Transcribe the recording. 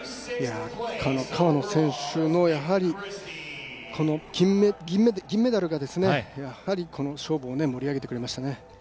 川野選手の銀メダルがやはり、この勝負を盛り上げてくれましたね。